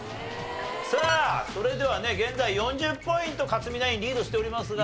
さあそれではね現在４０ポイント克実ナインリードしておりますが。